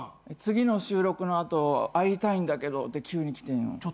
「次の収録の後会いたいんだけど」って急に来てんよ。